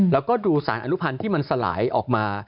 แล้วก็ดูสารอนุพันธ์ที่มันสลายออกมา